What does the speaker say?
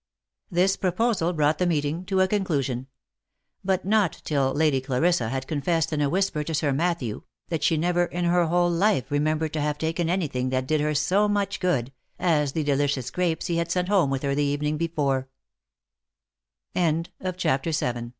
This proposal brought the meeting to a conclusion ; but not till Lady Clarissa had confessed in a whisper to Sir Matthew, that she never in her whole life remembered to have taken any thing that did her so much good, as the delicious grapes he had sent home with her